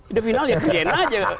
udah final ya kegen aja